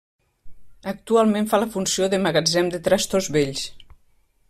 Actualment fa la funció de magatzem de trastos vells.